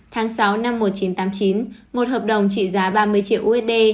tháng sáu năm một nghìn chín trăm tám mươi chín một hợp đồng trị giá ba mươi triệu usd